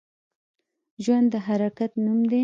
ژوند د حرکت نوم دی